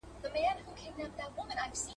ليکنې وکړه!؟